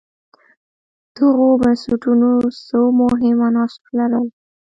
دغو بنسټونو څو مهم عناصر لرل